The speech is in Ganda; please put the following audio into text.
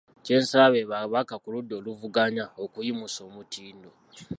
Kyensaba be babaka ku ludda oluvuganya okuyimusa omutindo.